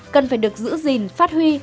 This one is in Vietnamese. cần phải được giữ gìn phát huy